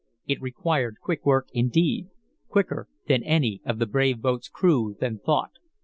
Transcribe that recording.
It required quick work, indeed quicker than any of the brave boat's crew then thought.